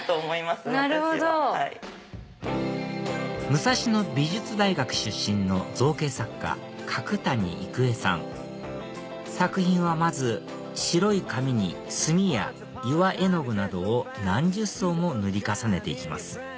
武蔵野美術大学出身の造形作家角谷郁恵さん作品はまず白い紙に墨や岩絵の具などを何十層も塗り重ねて行きます